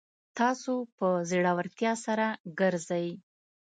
تاسو په زړورتیا سره ګرځئ